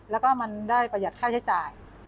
แล้วก็มันได้ประหยัดค่าใช้จ่าย